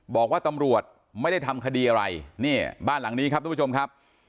บอกว่าตำรวจไม่ได้ทำคดีอะไรเนี่ยบ้านหลังนี้ครับทุกผู้ชมครับ